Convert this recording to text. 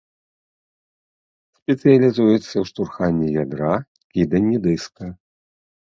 Спецыялізуецца ў штурханні ядра, кіданні дыска.